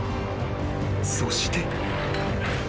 ［そして］